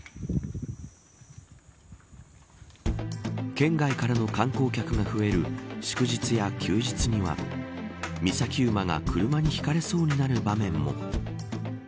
県外からの観光客が増える祝日や休日には御崎馬が車にひかれそうになる場面も。